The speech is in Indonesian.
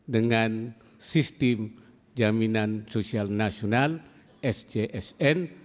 dengan sistem jaminan sosial nasional sjsn